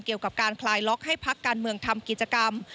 เกี่ยวกับการคลายล็อกให้พักการเมืองทำกิจกรรม